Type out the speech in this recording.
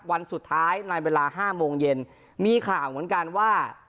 วันสุดท้ายในเวลาห้าโมงเย็นมีข่าวเหมือนกันว่า